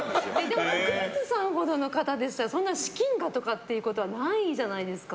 でも、徳光さんほどの方でしたら資金がとかっていうことはないじゃないですか。